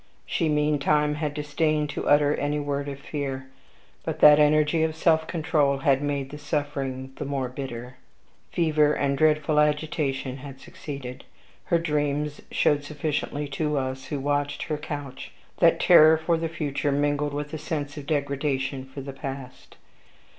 She, meantime, had disdained to utter any word of fear; but that energy of self control had made the suffering but the more bitter. Fever and dreadful agitation had succeeded. Her dreams showed sufficiently to us, who watched her couch, that terror for the future mingled with the sense of degradation for the past.